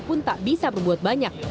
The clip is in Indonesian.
pun tak bisa berbuat banyak